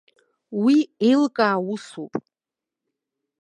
Уи еилкаау усуп.